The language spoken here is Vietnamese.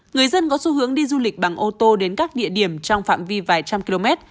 người dân có xu hướng đi du lịch bằng ô tô đến các địa điểm trong phạm vi vài trăm km